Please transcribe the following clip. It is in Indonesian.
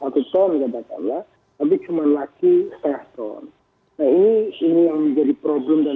biasanya kami harus mempersiapkan